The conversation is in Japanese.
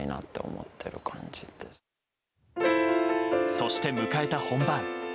そして迎えた本番。